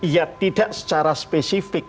ya tidak secara spesifik